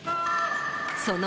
その。